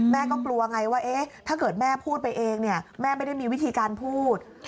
ก็กลัวไงว่าถ้าเกิดแม่พูดไปเองแม่ไม่ได้มีวิธีการพูด